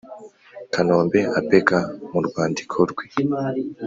kanombe apeka mu rwandiko rwe